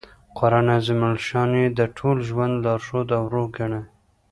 قران عظیم الشان ئې د ټول ژوند لارښود او روح ګڼي.